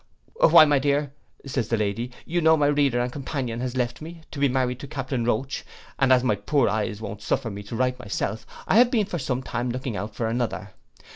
_; 'Why, my dear,' says the Lady, 'you know my reader and companion has left me, to be married to Captain Roach, and as my poor eyes won't suffer me to write myself, I have been for some time looking out for another.